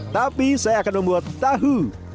tapi saya akan membuat tahu